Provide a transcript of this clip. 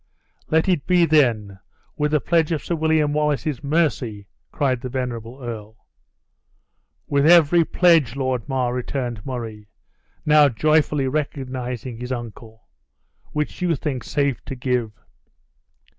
"Let it be, then with the pledge of Sir William Wallace's mercy?" cried the venerable earl. "With every pledge, Lord Mar," returned Murray, now joyfully recognizing his uncle, "which you think safe to give."